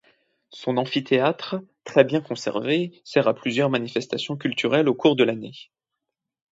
Son amphithéâtre, très bien conservé, sert à plusieurs manifestations culturelles au cours de l'année.